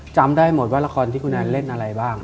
จำได้หมดว่าละครที่คุณแอนเล่นอะไรบ้าง